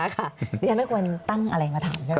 ดิฉันไม่ควรตั้งอะไรมาถามใช่ไหม